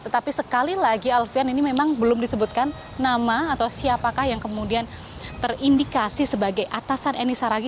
tetapi sekali lagi alfian ini memang belum disebutkan nama atau siapakah yang kemudian terindikasi sebagai atasan eni saragi